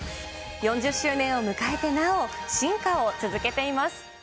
４０周年を迎えてなお、進化を続けています。